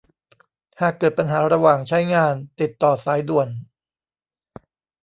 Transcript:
หากเกิดปัญหาระหว่างใช้งาน ติดต่อสายด่วน